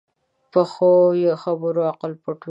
پخو خبرو عقل پټ وي